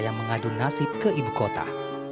yang mengadu nasib ke ibu kota